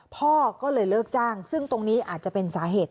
พ่อก็เลยเลิกจ้างซึ่งตรงนี้อาจจะเป็นสาเหตุ